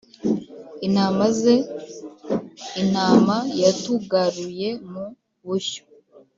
Intama ze intama, Yatugaruye mu bushyo.